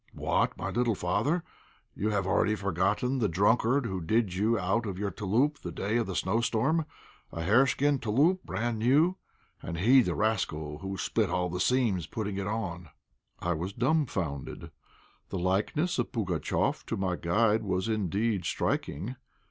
"What, my little father, you have already forgotten the drunkard who did you out of your 'touloup' the day of the snowstorm, a hareskin 'touloup,' brand new. And he, the rascal, who split all the seams putting it on." I was dumbfounded. The likeness of Pugatchéf to my guide was indeed striking.